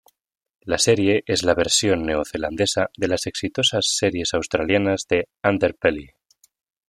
La serie es la versión neozelandesa de las exitosas series australianas de "Underbelly".